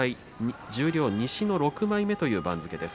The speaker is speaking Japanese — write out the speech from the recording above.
十両西の６枚目という番付です。